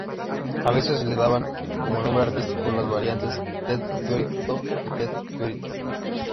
A veces le daban como nombre artístico las variantes Ted Fiorito y Ted FioRito.